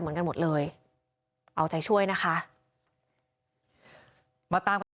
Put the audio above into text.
หนูพ่อหน่ายอยากให้เจอเขาเร็ว